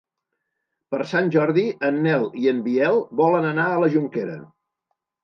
Per Sant Jordi en Nel i en Biel volen anar a la Jonquera.